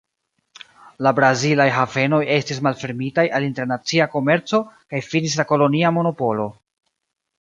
La brazilaj havenoj estis malfermitaj al internacia komerco kaj finis la kolonia monopolo.